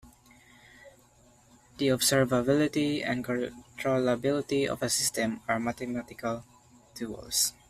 The observability and controllability of a system are mathematical duals.